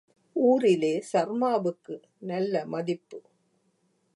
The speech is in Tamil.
ஊரிலே சர்மாவுக்கு நல்ல மதிப்பு.